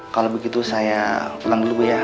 kalau begitu saya ulang dulu ya